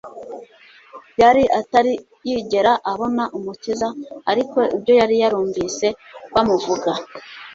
Yari atari yigera abona Umukiza, ariko ibyo yari yarumvise bamuvuga,